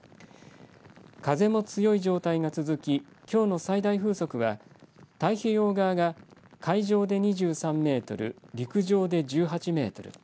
風も強い状態が続ききょうの最大風速は太平洋側が海上で２３メートル陸上で１８メートル。